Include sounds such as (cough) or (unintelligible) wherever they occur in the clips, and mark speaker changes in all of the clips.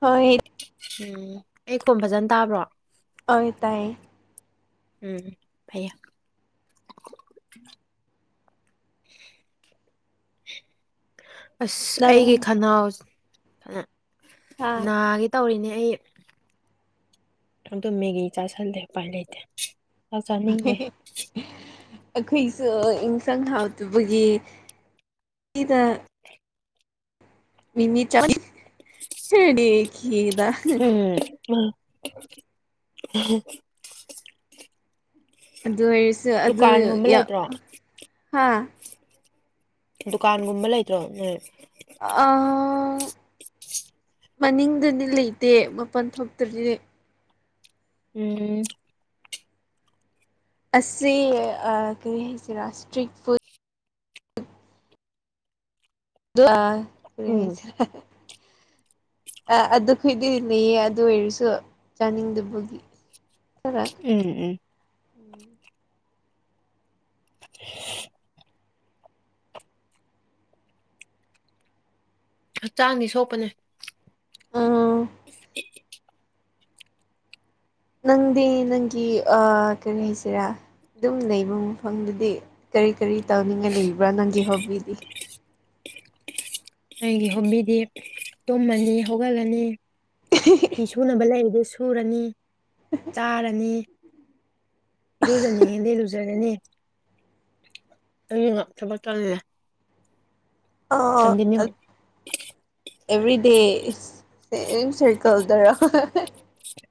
Speaker 1: ꯍꯣꯏ
Speaker 2: ꯎꯝ ꯑꯩ ꯀꯣꯝ ꯐꯖꯅ ꯇꯥꯕ꯭ꯔꯣ
Speaker 1: ꯑꯣꯏ ꯇꯥꯏꯌꯦ
Speaker 2: ꯎꯝ ꯐꯩꯌꯦ
Speaker 1: (unintelligible)
Speaker 2: ꯑꯁ ꯑꯩꯒꯤ
Speaker 1: ꯅꯪ
Speaker 2: ꯈꯅꯥꯎ ꯅꯥꯒꯤ ꯇꯧꯔꯤꯅꯦ ꯑꯩ ꯑꯗꯨꯗꯣ ꯃꯦꯒꯤ ꯆꯥꯁꯜꯂꯦ ꯎꯄꯥꯏ ꯂꯩꯇꯦ ꯆꯥꯛ ꯆꯥꯅꯤꯡꯗꯦ
Speaker 1: ꯑꯩꯈꯣꯏꯁꯨ ꯏꯟꯁꯥꯡ ꯍꯥꯞꯇꯕꯒꯤ ꯁꯤꯗ ꯃꯤꯃꯤ (unintelligible) (unintelligible)
Speaker 2: ꯎꯝ
Speaker 1: ꯑꯗꯨ ꯑꯣꯏꯔꯁꯨ ꯑꯗꯨ
Speaker 2: ꯗꯨꯀꯥꯟꯒꯨꯝꯕ
Speaker 1: ꯌꯥ
Speaker 2: ꯂꯩꯇ꯭ꯔꯣ
Speaker 1: ꯍꯥ
Speaker 2: ꯗꯨꯀꯥꯟꯒꯨꯝꯕ ꯂꯩꯇ꯭ꯔꯣ ꯅꯣꯏ
Speaker 1: ꯑ ꯃꯅꯤꯡꯗꯗꯤ ꯂꯩꯇꯦ ꯃꯄꯜ ꯊꯣꯛꯇꯗꯤ
Speaker 2: ꯎꯝ
Speaker 1: ꯑꯁꯤ ꯀꯔꯤ ꯍꯥꯏꯁꯦ ꯏꯁꯇ꯭ꯔꯤꯛ ꯐꯨꯠ
Speaker 2: ꯎꯝ
Speaker 1: (unintelligible) ꯑ ꯑꯗꯨꯈꯣꯏꯗꯤ ꯂꯩꯌꯦ ꯑꯗꯨ ꯑꯣꯏꯔꯁꯨ ꯆꯥꯅꯤꯡꯗꯕꯒꯤ (unintelligible)
Speaker 2: ꯎꯝ ꯎꯝ (unintelligible) ꯍꯛꯆꯥꯡꯗꯤ ꯁꯣꯛꯄꯅꯦ
Speaker 1: ꯑꯥ
Speaker 2: (unintelligible)
Speaker 1: ꯅꯪꯗꯤ ꯅꯪꯒꯤ ꯑ ꯀꯔꯤ ꯍꯥꯏꯁꯤꯔꯥ ꯑꯗꯨꯝ ꯂꯩꯕ ꯃꯐꯝꯗꯗꯤ ꯀꯔꯤ ꯀꯔꯤ ꯇꯧꯅꯤꯡꯉꯥꯏ ꯂꯩꯕ꯭ꯔꯥ ꯅꯪꯒꯤ ꯍꯣꯕꯤꯗꯤ (inaudible)
Speaker 2: ꯑꯩꯒꯤ ꯍꯣꯕꯤꯗꯤ ꯇꯨꯝꯃꯅꯤ ꯍꯧꯒꯠꯂꯅꯤ
Speaker 1: ꯏꯍꯤ ꯍꯤ
Speaker 2: ꯐꯤ ꯁꯨꯅꯕ ꯂꯩꯔꯗꯤ ꯁꯨꯔꯅꯤ ꯆꯥꯔꯅꯤ ꯏꯔꯨꯖꯅꯤꯡꯉꯗꯤ ꯂꯨꯖꯔꯅꯤ (unintelligible) ꯊꯕꯛ ꯇꯜꯂꯦ
Speaker 1: ꯑꯥ ꯑꯦꯕ꯭ꯔꯤꯗꯦ ꯏꯁ ꯁꯦꯝ ꯁꯥꯏꯀꯜꯗꯔ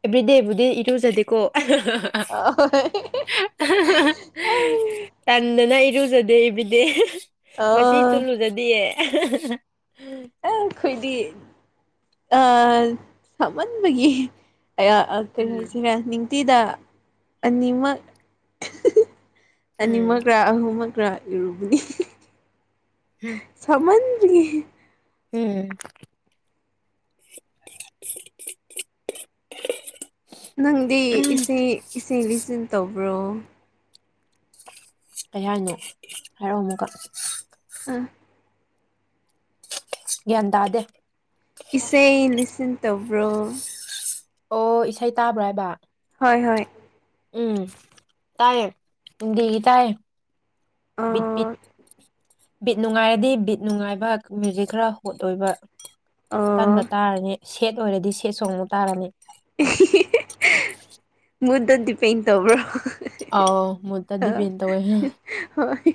Speaker 2: ꯑꯦꯕ꯭ꯔꯤꯗꯦꯕꯨꯗꯤ ꯏꯔꯨꯖꯗꯦꯀꯣ
Speaker 1: (unintelligible)
Speaker 2: ꯇꯟꯗꯅ ꯏꯔꯨꯖꯗꯦ ꯏꯕꯤꯗꯦ ꯉꯁꯤꯁꯨ
Speaker 1: ꯑꯣ
Speaker 2: ꯂꯨꯖꯗꯤꯌꯦ
Speaker 1: ꯑ ꯑꯩꯈꯣꯏꯗꯤ ꯑ ꯁꯥꯃꯟꯕꯒꯤ ꯑꯌꯥ ꯑꯀꯔꯤ
Speaker 2: ꯎꯝ
Speaker 1: ꯍꯥꯏꯁꯤꯔ ꯅꯤꯡꯇꯤꯗ ꯑꯅꯤꯃꯛ
Speaker 2: ꯎꯝ
Speaker 1: ꯑꯅꯤꯃꯛꯔꯥ ꯑꯍꯨꯝꯃꯛꯔ ꯏꯔꯨꯕꯅꯤ
Speaker 2: ꯍꯨꯝ
Speaker 1: ꯁꯥꯃꯟꯕꯒꯤ
Speaker 2: ꯎꯝ
Speaker 1: ꯅꯪꯗꯤ ꯏꯁꯩ ꯏꯁꯩ ꯂꯤꯁꯟ ꯇꯧꯕ꯭ꯔꯣ
Speaker 2: ꯀꯩ ꯍꯥꯏꯅꯣ ꯍꯥꯔꯛꯑꯣ ꯑꯃꯨꯀ
Speaker 1: ꯑ
Speaker 2: ꯒ꯭ꯌꯥꯟ ꯇꯥꯗꯦ
Speaker 1: ꯏꯁꯩ ꯂꯤꯁꯤꯟ ꯇꯧꯕ꯭ꯔꯣ
Speaker 2: ꯑꯣ ꯏꯁꯩ ꯇꯥꯕ꯭ꯔꯥ ꯍꯥꯏꯕ
Speaker 1: ꯍꯣꯏ ꯍꯣꯏ
Speaker 2: ꯎꯝ ꯇꯥꯏꯌꯦ ꯅꯨꯡꯗꯤꯒꯤ ꯇꯥꯏꯌꯦ
Speaker 1: ꯑ
Speaker 2: ꯕꯤꯠꯕꯤꯠ ꯕꯤꯠ ꯅꯨꯡꯉꯥꯏꯔꯗꯤ ꯕꯤꯠ ꯅꯨꯡꯉꯥꯏꯕ ꯃ꯭ꯌꯨꯖꯤꯛ ꯈꯔ ꯍꯣꯠ ꯑꯣꯏꯕ
Speaker 1: ꯑ
Speaker 2: ꯑꯀꯟꯕ ꯇꯥꯔꯅꯤ ꯁꯦꯠ ꯑꯣꯏꯔꯗꯤ ꯁꯦꯠ ꯁꯣꯡꯗꯨ ꯇꯥꯔꯝꯅꯤ
Speaker 1: ꯃꯨꯗꯗ ꯗꯤꯄꯦꯟꯗ ꯇꯧꯕ꯭ꯔꯣ
Speaker 2: ꯑꯥꯎ ꯃꯨꯠꯇ ꯗꯤꯄꯦꯟ ꯇꯧꯋꯦ
Speaker 1: ꯍꯣꯏ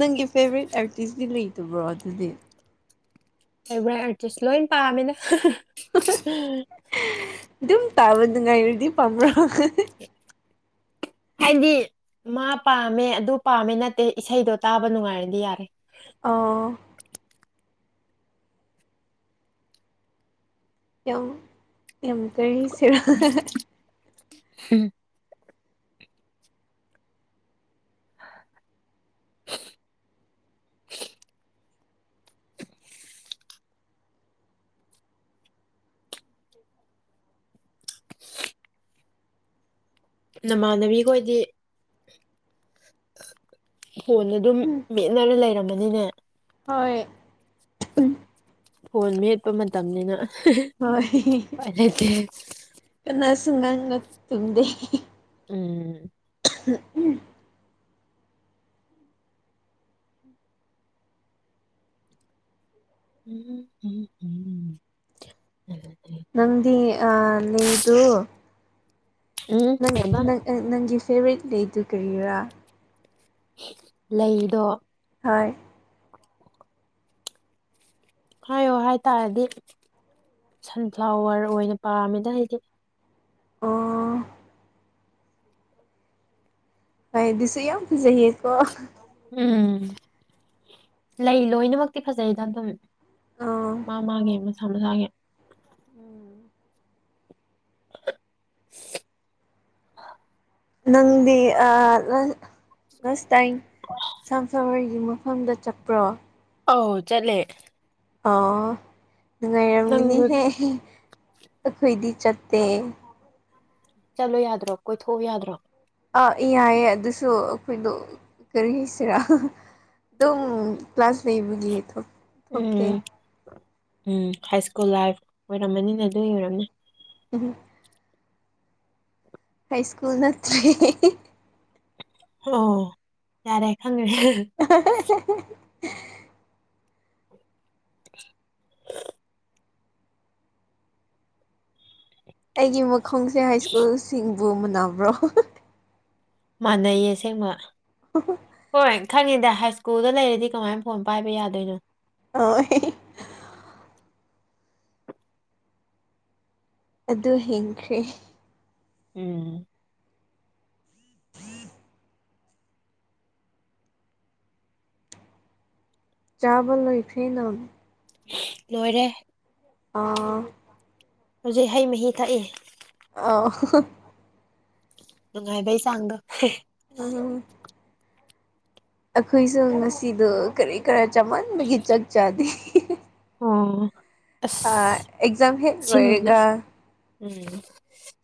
Speaker 1: ꯅꯪꯒꯤ ꯐꯦꯚꯣꯔꯥꯏꯠ ꯑꯥꯔꯇꯤꯁꯇꯤ ꯂꯩꯇꯕ꯭ꯔꯣ ꯑꯗꯨꯗꯤ
Speaker 2: ꯐꯦꯕ꯭ꯔꯥꯏꯠ ꯑꯥꯔꯇꯤꯁ ꯂꯣꯏ ꯄꯥꯝꯃꯤꯗ
Speaker 1: ꯑꯗꯨꯝ ꯇꯥꯕ ꯅꯨꯡꯉꯥꯏꯔꯨꯗꯤ ꯄꯥꯝꯕ꯭ꯔꯣ
Speaker 2: ꯍꯥꯏꯗꯤ ꯃꯥ ꯄꯥꯝꯃꯦ ꯑꯗꯨ ꯄꯥꯝꯃꯦ ꯅꯠꯇꯦ ꯏꯁꯩꯗꯣ ꯇꯥꯕ ꯅꯨꯡꯉꯥꯏꯔꯗꯤ ꯌꯥꯔꯦ
Speaker 1: ꯑꯣ ꯌꯥꯝ ꯌꯥꯝ ꯀꯔꯤꯁꯤꯔꯥ
Speaker 2: ꯍꯨꯝ ꯅꯃꯥꯟꯅꯕꯤꯈꯣꯏꯗꯤ ꯐꯣꯟ ꯑꯗꯨꯝ ꯃꯦꯠꯅꯔ ꯂꯩꯔꯝꯃꯅꯤꯅꯦ
Speaker 1: ꯍꯣꯏ
Speaker 2: ꯐꯣꯟ ꯃꯦꯠꯄ ꯃꯇꯝꯅꯤꯅ
Speaker 1: ꯍꯣꯏ
Speaker 2: ꯎꯄꯥꯏ ꯂꯩꯇꯦ
Speaker 1: ꯀꯅꯥꯁꯨ ꯉꯥꯡ ꯉꯛ ꯇꯨꯝꯗꯦ
Speaker 2: ꯎꯝ
Speaker 1: ꯎ ꯎꯝ
Speaker 2: ꯎꯝ ꯎꯝ ꯎꯝ (unintelligible)
Speaker 1: ꯅꯪꯗꯤ ꯑ ꯂꯩꯗꯨ
Speaker 2: ꯎꯝ
Speaker 1: ꯅꯪ
Speaker 2: ꯀꯩꯕ
Speaker 1: ꯅꯪ ꯑ ꯅꯪꯒꯤ ꯐꯦꯕꯣꯔꯥꯏꯠ ꯂꯩꯗꯨ ꯀꯔꯤꯔꯥ
Speaker 2: ꯂꯩꯗꯣ
Speaker 1: ꯍꯣꯏ
Speaker 2: ꯍꯥꯏꯌꯣ ꯍꯥꯏꯇꯥꯔꯗꯤ ꯁꯟꯐ꯭ꯂꯥꯋꯔ ꯑꯣꯏꯅ ꯄꯥꯝꯃꯦꯗ ꯍꯥꯏꯗꯤ
Speaker 1: ꯑꯥ ꯑꯗꯨꯗꯤꯁꯨ ꯌꯥꯝ ꯐꯖꯩꯌꯦꯀꯣ
Speaker 2: ꯎꯝ ꯂꯩ ꯂꯣꯏꯅꯃꯛꯇꯤ ꯐꯖꯩꯗ ꯑꯗꯨꯝ
Speaker 1: ꯑꯣ
Speaker 2: ꯃꯥ ꯃꯥꯒꯤꯦ ꯃꯁꯥ ꯃꯁꯥꯒꯤ
Speaker 1: ꯎꯝ
Speaker 2: (unintelligible)
Speaker 1: ꯅꯪꯗꯤ ꯂꯁ ꯇꯥꯏ ꯁꯟꯐ꯭ꯂꯋꯔꯒꯤꯃꯣ ꯃꯐꯝꯗ ꯆꯠꯄ꯭ꯔꯣ
Speaker 2: ꯑꯧ ꯆꯠꯂꯦ
Speaker 1: ꯑꯥ
Speaker 2: ꯅꯪꯁꯨ
Speaker 1: ꯅꯨꯡꯉꯥꯏꯔꯝꯒꯅꯤꯍꯦ ꯑꯩꯈꯣꯏꯗꯤ ꯆꯠꯇꯦ
Speaker 2: ꯆꯠꯂꯣ ꯌꯥꯗ꯭ꯔꯣ ꯀꯣꯏꯊꯣꯛꯎ ꯌꯥꯗ꯭ꯔꯣ
Speaker 1: ꯑ ꯌꯥꯏꯌꯦ ꯑꯗꯨꯁꯨ ꯑꯩꯈꯣꯏꯗꯣ ꯀꯔꯤꯁꯤꯔꯥ ꯑꯗꯨꯝ ꯀ꯭ꯂꯥꯁ ꯂꯩꯕꯒꯤ ꯍ ꯊꯣꯛꯇꯦ
Speaker 2: ꯎꯝ ꯎꯝ ꯍꯥꯏ ꯁ꯭ꯀꯨꯜ ꯂꯥꯏꯐ ꯑꯣꯏꯔꯝꯃꯅꯤꯅꯦ ꯑꯗꯨ ꯑꯣꯏꯔꯝꯅꯤ
Speaker 1: ꯑꯗꯨ ꯀ ꯁ꯭ꯀꯨꯜ ꯅꯠꯇ꯭ꯔꯦ
Speaker 2: ꯑꯣ ꯌꯥꯔꯦ ꯈꯪꯦ
Speaker 1: ꯑ
Speaker 2: (unintelligible)
Speaker 1: ꯑꯩꯒꯤ ꯃꯈꯣꯡꯁꯦ ꯍꯥꯏ ꯁ꯭ꯀꯨꯜꯁꯤꯡꯕꯨ ꯃꯕ꯭ꯔꯣ
Speaker 2: ꯃꯥꯟꯅꯩꯌꯦꯁꯦꯡꯕ
Speaker 1: ꯑ
Speaker 2: ꯍꯣꯏ ꯈꯪꯉꯤꯗ ꯍꯥꯏ ꯁ꯭ꯀꯨꯜꯗ ꯂꯩꯔꯗꯤ ꯀꯃꯥꯏꯅ ꯐꯣꯟ ꯄꯥꯏꯕ ꯌꯥꯗꯣꯏꯅꯣ
Speaker 1: ꯑ ꯑꯗꯨ ꯍꯤꯡꯈ꯭ꯔꯦ
Speaker 2: ꯎꯝ
Speaker 1: ꯆꯥꯕ ꯂ ꯐꯤꯅꯝ
Speaker 2: ꯅꯣꯏꯔꯦ
Speaker 1: ꯑꯥ
Speaker 2: ꯍꯧꯖꯤꯛ ꯍꯩ ꯃꯍꯤ ꯊꯛꯏꯦ
Speaker 1: ꯑ
Speaker 2: ꯅꯨꯡꯉꯥꯏꯕꯩ ꯆꯥꯡꯗꯣ
Speaker 1: ꯎꯝ ꯑꯩꯈꯣꯏꯁꯨ ꯉꯁꯤꯗꯣ ꯀꯔꯤ ꯀꯔ ꯆꯃꯟꯕꯒꯤ ꯆꯥꯛ ꯆꯥꯗꯦ
Speaker 2: ꯑꯣ ꯑꯁ
Speaker 1: ꯑ ꯑꯦꯛꯖꯥꯝ ꯍꯦ
Speaker 2: ꯁꯤꯡꯖꯨ
Speaker 1: ꯔꯑꯒ
Speaker 2: ꯎꯝ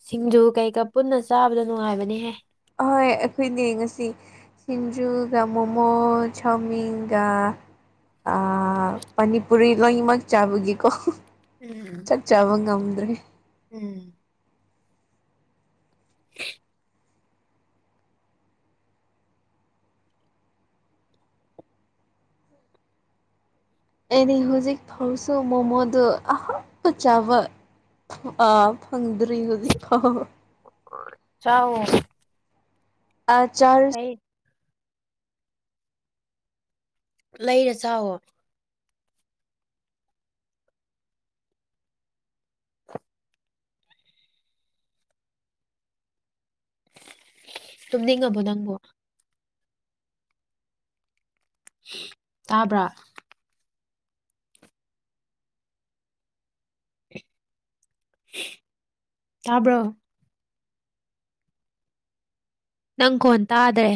Speaker 2: ꯁꯤꯡꯖꯨ ꯀꯩꯀꯥ ꯄꯨꯟꯅ ꯆꯥꯕꯗ ꯅꯨꯡꯉꯥꯏꯕꯅꯦꯍꯦ
Speaker 1: ꯑꯍꯣꯏ ꯑꯩꯈꯣꯏ ꯌꯦꯡꯉꯁꯤ ꯁꯤꯤꯟꯖꯨꯒ ꯃꯣꯃꯣ ꯆꯧꯃꯤꯟꯒ ꯄꯅꯤꯄꯨꯔꯤ ꯂꯣꯏꯃꯛ ꯆꯥꯕꯨꯒꯤ ꯀꯧꯕ
Speaker 2: ꯎꯝ
Speaker 1: ꯐꯠꯆꯕ ꯉꯝꯗ꯭ꯔꯦ
Speaker 2: ꯎꯝ (unintelligible)
Speaker 1: ꯑꯩꯗꯤ ꯍꯧꯖꯤꯛ ꯐꯥꯎꯁꯨ ꯃꯣꯃꯣꯗꯣ ꯑꯍꯥꯞꯄ ꯆꯥꯎꯥꯕ ꯑꯥ ꯐꯪꯗꯔꯤꯣ
Speaker 2: ꯆꯥꯎ
Speaker 1: ꯑ ꯆꯥ
Speaker 2: ꯑꯩ ꯂꯩꯔ ꯆꯥꯛꯋꯣ ꯇꯗꯤ ꯍꯡꯉꯕꯣ ꯅꯪꯕꯨꯣ ꯇꯥꯕ꯭ꯔꯥ ꯇꯕ꯭ꯔ ꯅꯪ ꯀꯣꯟ ꯇꯥꯗ꯭ꯔꯦ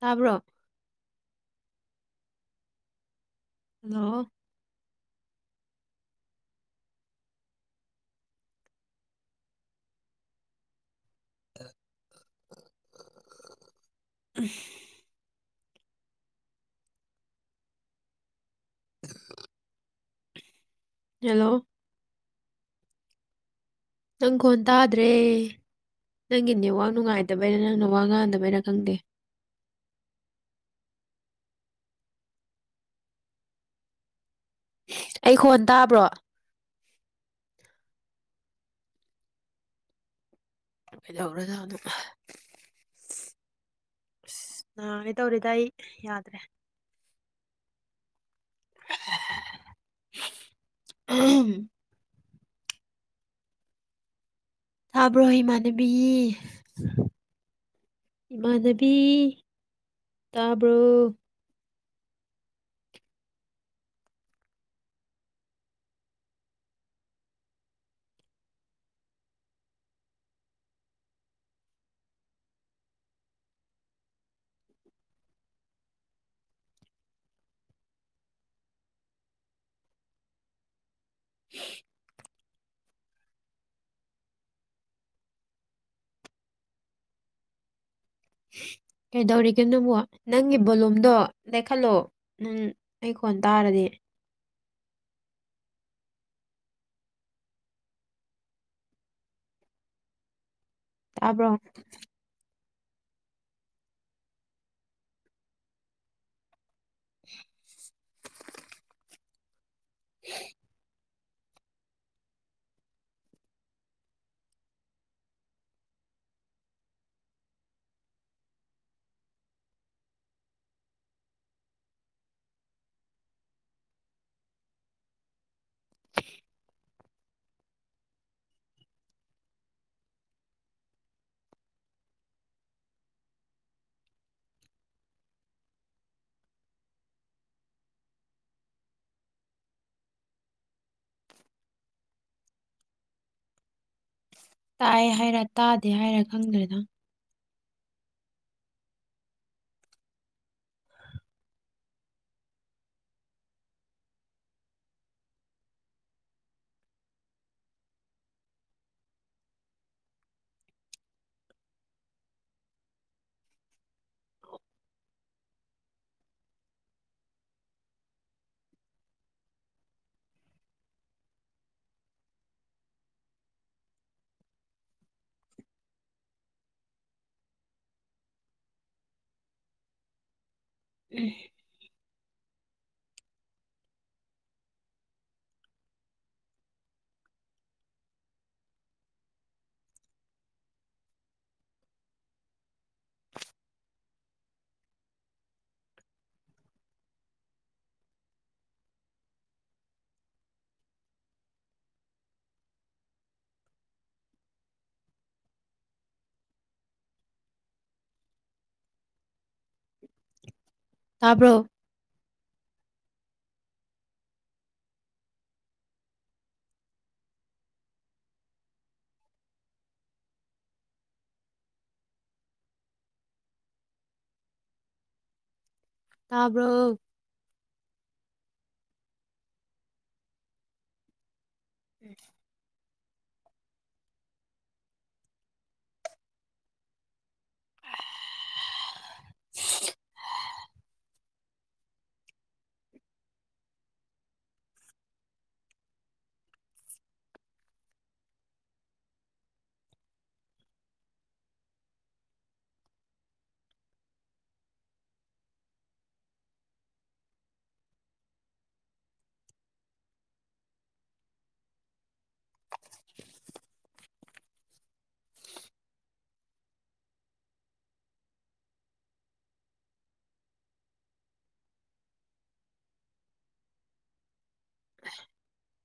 Speaker 2: ꯇꯥꯕ꯭ꯔꯣ ꯍꯜꯂꯣ ꯑ ꯎ ꯍꯜꯂꯣ ꯅꯪ ꯀꯣꯟ ꯇꯥꯗ꯭ꯔꯦ ꯅꯪꯒꯤ ꯅꯦꯠꯋꯥꯛ ꯅꯨꯡꯉꯥꯏꯗꯕꯩꯔ ꯅꯪꯅ ꯋꯥ ꯉꯥꯡꯗꯕꯩꯔꯥ ꯈꯪꯗꯦ ꯑꯩ ꯍꯣꯟ ꯇꯥꯕ꯭ꯔꯣ ꯀꯩꯍꯧꯔꯁꯨ ꯑꯗꯨꯝ ꯑꯁ ꯅ ꯀꯩ ꯇꯧꯔꯤꯗ ꯑꯩ ꯌꯥꯗ꯭ꯔꯦ (inaudible) ꯊꯥꯕ꯭ꯔꯣ ꯏꯃꯥꯟꯅꯕꯤ ꯏꯃꯥꯟꯅꯕꯤ ꯇꯥꯕ꯭ꯔꯣ (inaudible) ꯀꯩꯗꯧꯔꯤꯒꯦ ꯅꯪꯕꯨꯣ ꯅꯪꯒꯤ ꯕꯣꯂꯣꯨꯝꯗꯣ ꯂꯩꯈꯠꯂꯣ ꯅꯪ ꯑꯩ ꯀꯣꯟ ꯇꯥꯔꯗꯤ ꯇꯥꯕ (inaudible) (inaudible) ꯇꯥꯛꯑꯦ ꯍꯥꯏꯔ ꯇꯥꯗꯦ ꯍꯥꯏꯔꯥ ꯈꯪꯗ꯭ꯔꯦꯗꯪ ꯎꯝ ꯇꯔꯕꯣ ꯇꯥꯔꯕ꯭ꯔ ꯎꯝ (inaudible)